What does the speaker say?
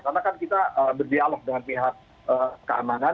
karena kan kita berdialog dengan pihak keamanan